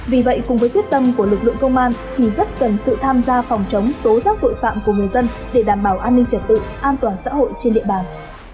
vì vậy cùng với quyết tâm của lực lượng công an thì rất cần sự tham gia phòng chống tố giác tội phạm của người dân để đảm bảo an ninh trật tự an toàn xã hội trên địa bàn